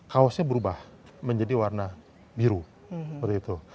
kaosnya berubah menjadi warna biru